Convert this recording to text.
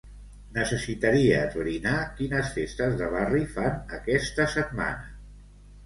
Necessitaria esbrinar quines festes de barri fan aquesta setmana.